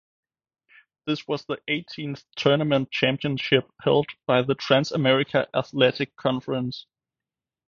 This was the eighteenth tournament championship held by the Trans America Athletic Conference.